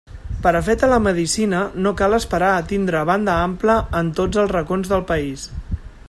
Per a fer telemedicina, no cal esperar a tindre banda ampla en tots els racons del país.